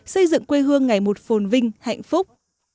xây dựng quê hương ngày một phồn vinh hạnh phúc